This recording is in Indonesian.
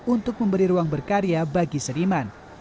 untuk memberi ruang berkarya bagi seniman